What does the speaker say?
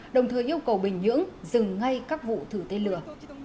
đồng thời yêu cầu bình nhưỡng dừng ngay các vụ thử tên lửa